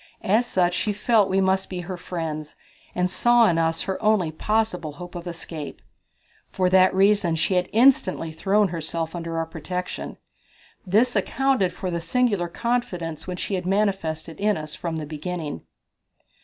As such she felt that we must be her friends, and saw in us her only possible hope of escape. For that reason she had instantly thrown herself under our protection. This accounted for the singular confidence which she had manifested in us from the beginning.